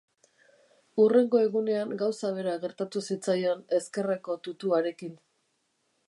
Hurrengo egunean gauza bera gertatu zitzaion ezkerreko tutuarekin.